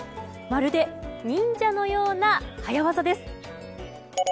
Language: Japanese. まるで忍者のような早業です。